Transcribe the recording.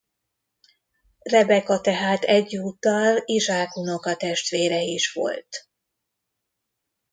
Rebeka tehát egyúttal Izsák unokatestvére is volt.